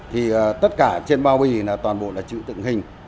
thì tất cả trên bao bì là toàn bộ là chữ tự hình